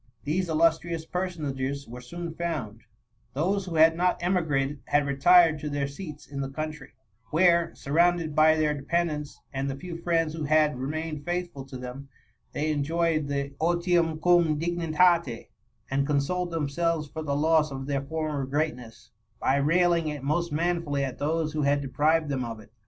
These illustrious personages were soon found : those who had not emigrated, had retired to their seats in the country, where, surrounded by their dependants, and the few friends who had remained faithful to them, they enjoyed the 0tmm cum dignitatem and consoled themselves for the loss of their former greatness, by railing most manfully at those who had deprived them of it.